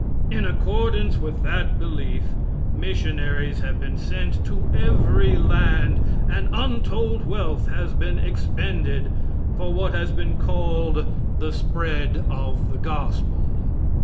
In accordance with that belief missionaries have been sent to every land, and untold wealth has been expended for what has been called the spread of the gospel.